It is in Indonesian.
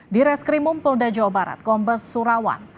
di reskrimum polda jawa barat kombes surawan